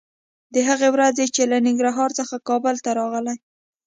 د هغې ورځې چې له ننګرهار څخه کابل ته راغلې